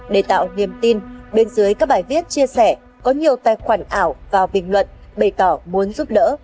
để tạo niềm tin bên dưới các bài viết chia sẻ có nhiều tài khoản ảo vào bình luận bày tỏ muốn giúp đỡ